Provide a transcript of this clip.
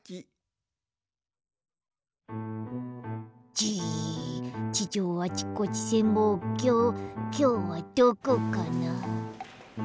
じ地上あちこち潜望鏡きょうはどこかな？